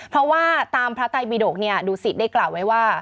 เพราะว่าตามพระไตบิดกดูสิตได้กล่าวไว้ว่า